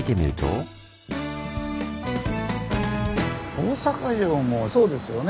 大阪城もそうですよね。